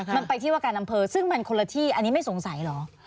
มันไปที่ว่าการอำเภอซึ่งมันคนละที่อันนี้ไม่สงสัยเหรอ